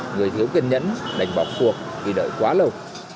người thiếu kiên nhẫn đành bỏ cuộc khi đợi quá lâu